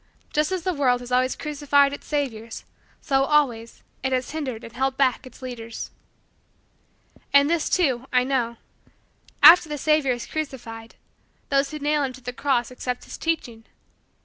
Just as the world has always crucified its saviors, so, always, it has hindered and held back its leaders. And this, too, I know: after the savior is crucified, those who nail him to the cross accept his teaching.